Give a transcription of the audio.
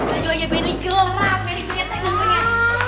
meli juga aja meli gelap meli punya tangan